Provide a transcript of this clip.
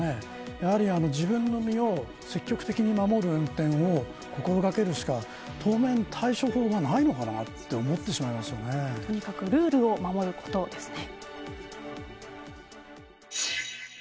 やはり自分の身を積極的に守る運転を心掛けるしか当面、対処法がないのかなととにかくルールを守ることですね。